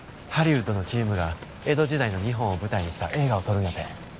ハリウッドのチームが江戸時代の日本を舞台にした映画を撮るんやて。